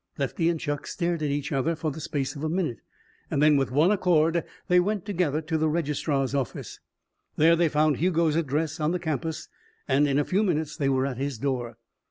Lefty and Chuck stared at each other for the space of a minute, and then, with one accord, they went together to the registrar's office. There they found Hugo's address on the campus, and in a few minutes they were at his door.